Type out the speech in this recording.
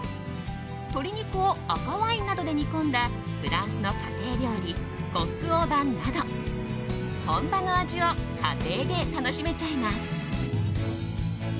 鶏肉を赤ワインなどで煮込んだフランスの家庭料理コック・オー・ヴァンなど本場の味を家庭で楽しめちゃいます。